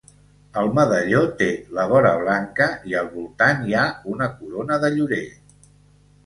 El medalló té la vora blanca i al voltant hi ha una corona de llorer.